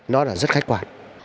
nó là rất khách quan